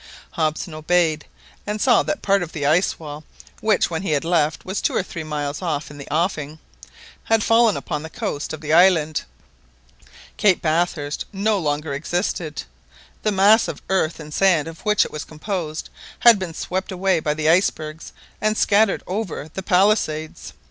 Hobson obeyed, and saw that part of the ice wall, which, when he left, was two or three miles off in the offing, had fallen upon the coast of the island. Cape Bathurst no longer existed, the mass of earth and sand of which it was composed had been swept away by the icebergs and scattered over the palisades.